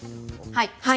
はい。